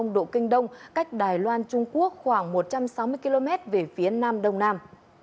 một trăm hai mươi hai độ kinh đông cách đài loan trung quốc khoảng một trăm sáu mươi km về phía nam đông nam